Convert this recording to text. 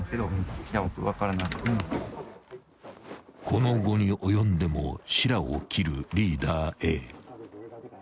［この期に及んでもしらを切るリーダーＡ］